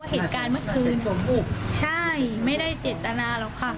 เหตุการณ์เมื่อคืน๒๖ใช่ไม่ได้เจตนาหรอกค่ะ